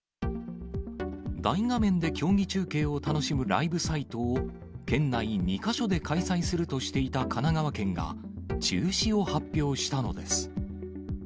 大画面で競技中継を楽しむライブサイトを、県内２か所で開催するとしていた神奈川県が、中止を発表したのです。